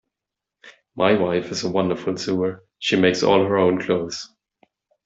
My wife is a wonderful sewer: she makes all her own clothes.